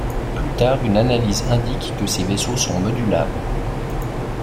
Plus tard une analyse indique que ces vaisseaux sont modulables.